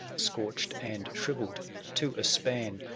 Scorched and shrivelled to a span.